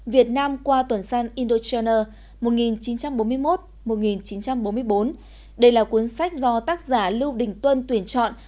việt nam qua tuần san indochina một nghìn chín trăm bốn mươi một một nghìn chín trăm bốn mươi bốn đây là cuốn sách do tác giả lưu đình tuân tuyển chọn